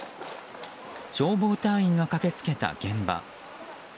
消防隊員が駆け付けた現場。